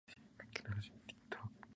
Ambas partes se repiten.